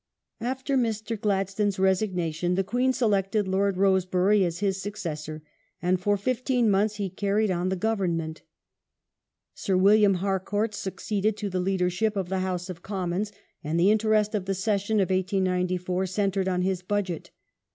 After Mr. Gladstone's resignation the Queen selected Lord Lord Rosebery as his successor, and for fifteen months he carried on the ^g^^^g government.^ Sir William Harcourt succeeded to the leadei ship Ministry of the House of Commons, and the interest of the Session of 1894 centred on his Budget.